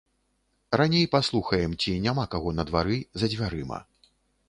Раней паслухаем, ці няма каго на двары за дзвярыма.